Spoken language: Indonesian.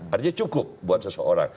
artinya cukup buat seseorang